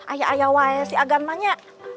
ayah ayah wae si agan manya